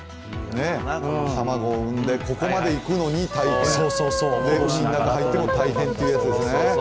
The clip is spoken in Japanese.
卵を産んで、ここまで行くのに大変海の中に入っても大変っていうやつですね。